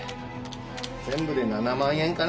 全部で７万円かな。